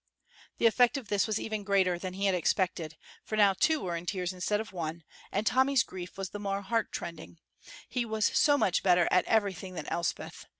The effect of this was even greater than he had expected, for now two were in tears instead of one, and Tommy's grief was the more heartrending, he was so much better at everything than Elspeth.